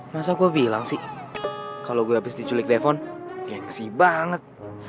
masa gue bilang sih kalau gue habis diculik telepon gengsi banget